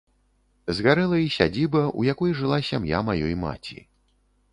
Згарэла і сядзіба, у якой жыла сям'я маёй маці.